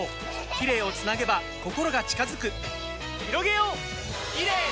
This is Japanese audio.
キレイをつなげば心が近づくひろげようキレイの輪！